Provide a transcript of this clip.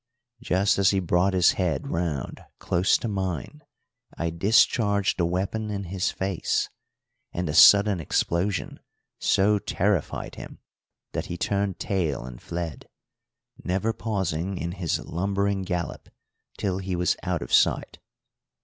Just as he brought his head round close to mine, I discharged the weapon in his face, and the sudden explosion so terrified him that he turned tail and fled, never pausing in his lumbering gallop till he was out of sight.